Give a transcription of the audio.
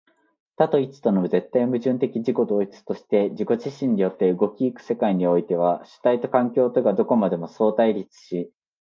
多と一との絶対矛盾的自己同一として自己自身によって動き行く世界においては、主体と環境とがどこまでも相対立し、